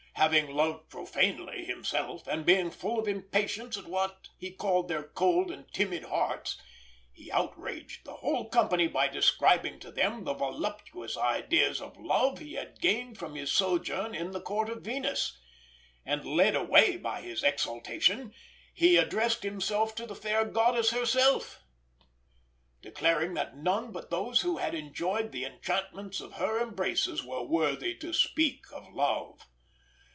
Having loved profanely himself, and being full of impatience at what he called their cold and timid hearts, he outraged the whole company by describing to them the voluptuous ideas of love he had gained from his sojourn in the Court of Venus; and led away by his exaltation, he addressed himself to the fair goddess herself, declaring that none but those who had enjoyed the enchantments of her embraces were worthy to speak of Love.